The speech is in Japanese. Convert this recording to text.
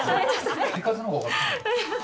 手数のほうが多かった。